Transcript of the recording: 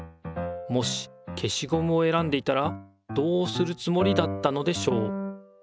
もし消しゴムを選んでいたらどうするつもりだったのでしょう？